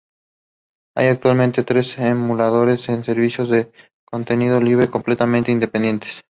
Hay actualmente tres emuladores de servidores de contenido libre completamente independiente.